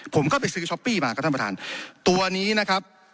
ผมก็ไปซื้อช้อปปี้มาครับท่านประธานตัวนี้นะครับ